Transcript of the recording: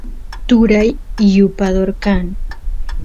turay yupador kan